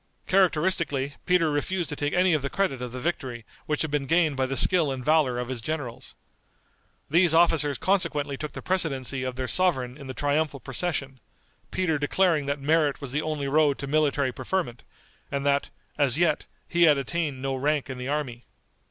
Characteristically Peter refused to take any of the credit of the victory which had been gained by the skill and valor of his generals. These officers consequently took the precedency of their sovereign in the triumphal procession, Peter declaring that merit was the only road to military preferment, and that, as yet, he had attained no rank in the army.